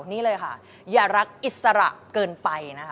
นี่เลยค่ะอย่ารักอิสระเกินไปนะคะ